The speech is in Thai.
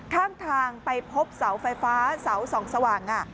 ข้างทางไปพบเสาไฟฟ้าเสาส่องสว่าง